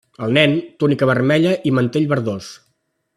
El Nen, túnica vermella i mantell verdós.